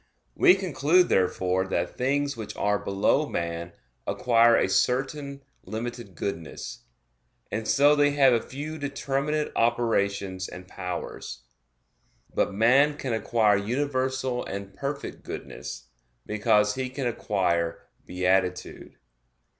We conclude, therefore, that things which are below man acquire a certain limited goodness; and so they have a few determinate operations and powers. But man can acquire universal and perfect goodness, because he can acquire beatitude.